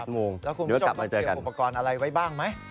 ๘โมงเดี๋ยวก่อนกลับมาเจอกันครับแล้วคุณผู้ชมต้องเกี่ยวอุปกรณ์อะไรไว้บ้างไหม